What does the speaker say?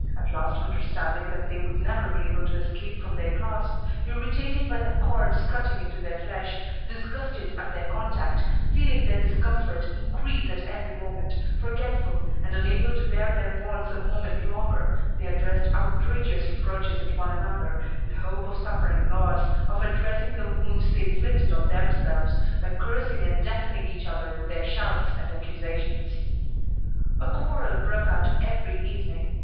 At last understanding that they would never be able to escape from their clasp, irritated by the cords cutting into their flesh, disgusted at their contact, feeling their discomfort increase at every moment, forgetful, and unable to bear their bonds a moment longer, they addressed outrageous reproaches to one another, in the hope of suffering loss, of dressing the wounds they inflicted on themselves, by cursing and deafening each other with their shouts and accusations. A quarrel broke out every evening.